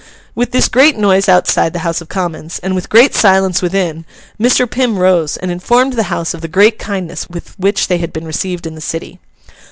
With this great noise outside the House of Commons, and with great silence within, Mr. Pym rose and informed the House of the great kindness with which they had been received in the City.